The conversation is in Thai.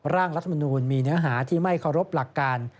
รัฐมนูลมีเนื้อหาที่ไม่เคารพหลักการ